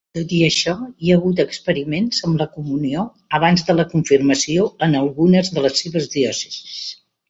Tot i això, hi ha hagut experiments amb la comunió abans de la confirmació en algunes de les seves diòcesis.